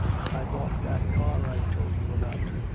"I bought that car I told you about."